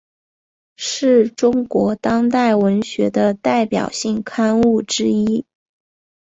是中国当代文学的代表性刊物之一。